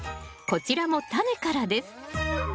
こちらもタネからです